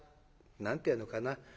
何て言うのかな